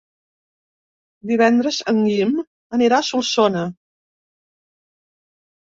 Divendres en Guim anirà a Solsona.